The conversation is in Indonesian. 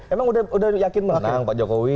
emang sudah yakin menang pak jokowi